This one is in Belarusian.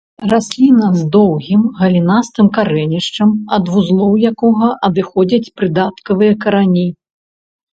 Расліна з доўгім галінастым карэнішчам, ад вузлоў якога адыходзяць прыдаткавыя карані.